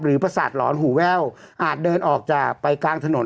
ประสาทหลอนหูแว่วอาจเดินออกจากไปกลางถนน